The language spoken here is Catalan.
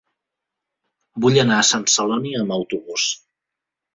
Vull anar a Sant Celoni amb autobús.